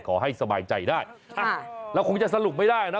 ขอให้สบายใจได้เราคงจะสรุปไม่ได้นะ